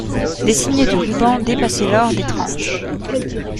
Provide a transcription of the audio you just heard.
Des signets de rubans dépassaient l'or des tranches.